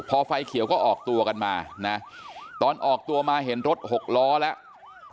พอไฟเขียวก็ออกตัวกันมานะตอนออกตัวมาเห็นรถหกล้อแล้ว